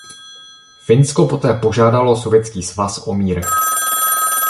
Finsko poté požádalo Sovětský svaz o mír.